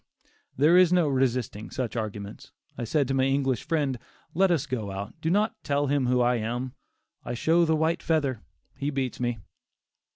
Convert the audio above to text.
There was no resisting such arguments. I said to my English friend, "Let us go out; do not tell him who I am; I show the white feather; he beats me."